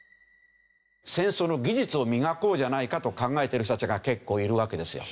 戦争の技術を磨こうじゃないかと考えている人たちが結構いるわけですよ。